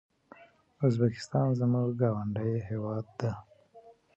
ازبکستان زموږ ګاونډی هيواد ده